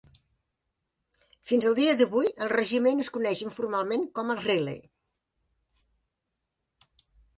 Fins al dia d'avui, el regiment es coneix informalment com els Riley.